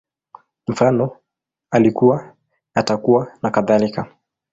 Mfano, Alikuwa, Atakuwa, nakadhalika